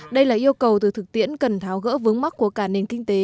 đây là yêu cầu từ thực tiễn cần tháo gỡ vướng mắt của cả nền kinh tế